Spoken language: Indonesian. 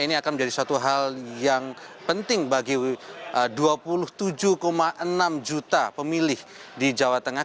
ini akan menjadi suatu hal yang penting bagi dua puluh tujuh enam juta pemilih di jawa tengah